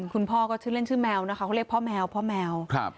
คุณพ่อก็ชื่อเล่นชื่อแมวนะคะเขาเรียกพ่อแมวพ่อแมวครับ